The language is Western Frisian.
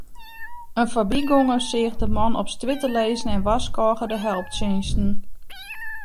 In foarbygonger seach de man op strjitte lizzen en warskôge de helptsjinsten.